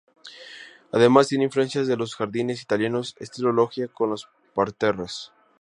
Además tiene influencias de los jardines italianos estilo Logia con los parterres.